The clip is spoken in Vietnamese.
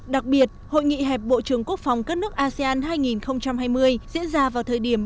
đặc biệt hội nghị hẹp bộ trưởng quốc phòng các nước asean hai nghìn hai mươi diễn ra vào thời điểm